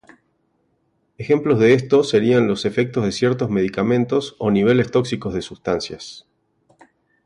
Ejemplos de esto serían los efectos de ciertos medicamentos o niveles tóxicos de sustancias.